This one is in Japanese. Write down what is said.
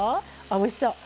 おいしそう。